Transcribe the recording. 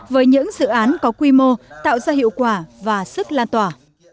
với những dự án có quy mô tạo ra hiệu quả và sức lan tỏa